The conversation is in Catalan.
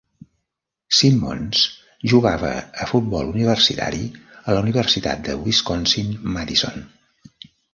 Simmons jugava a futbol universitari a la Universitat de Wisconsin-Madison.